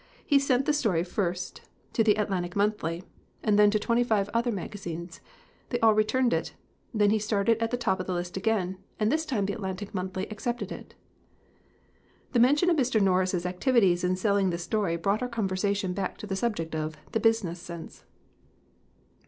He sent the story first to the Atlantic Monthly and then to twenty five other magazines. They all returned it. Then he started at the top of the list again, and this time the Atlantic Monthly accepted it." The mention of Mr. Norris's activities in selling this story brought our conversation back to the subject of the " business sense."